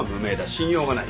信用がない。